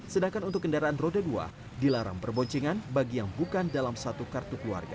sedangkan untuk kendaraan roda dua dilarang perboncingan bagi yang bukan dalam satu kartu keluarga